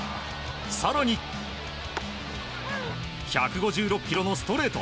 更に、１５６キロのストレート。